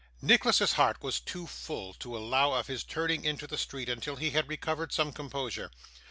Nicholas's heart was too full to allow of his turning into the street until he had recovered some composure.